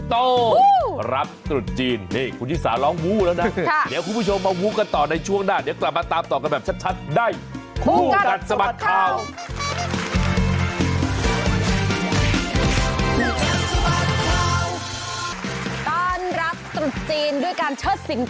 กระบ๔เพลงฮิตจะเป็นเพลงอะไรบ้างไปฟัง